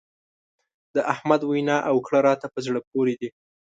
د احمد وينا او کړه راته په زړه پورې دي.